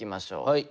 はい。